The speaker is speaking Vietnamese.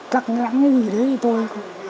cắt rắn như thế thôi